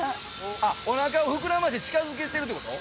あお腹を膨らませて近づけてるってこと？